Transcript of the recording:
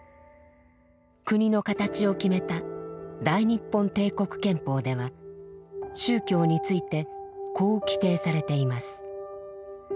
国のかたちを決めた「大日本帝国憲法」では宗教についてこう規定されています。